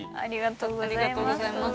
ありがとうございます。